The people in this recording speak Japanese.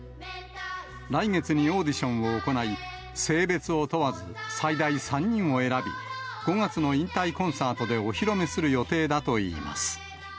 来月にオーディションを行い、性別を問わず最大３人を選び、５月の引退コンサートでお披露目する予定だといいます。